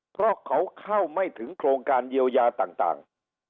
เพราะเขาเข้าไม่ถึงโครงการเยียวยาต่าง